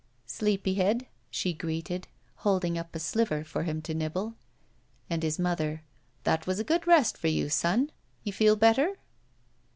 ''Sleepyhead," she greeted, holding up a sliver for him to nibble. And his mother: "That was a good rest for you, son? You feel better?"